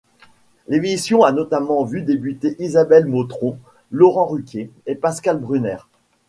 L'émission a notamment vu débuter Isabelle Motrot, Laurent Ruquier et Pascal Brunner.